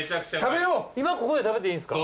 今ここで食べていいんですか？